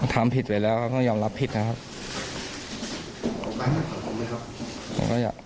ทำผิดไปแล้วก็ต้องยอมรับผิดนะครับ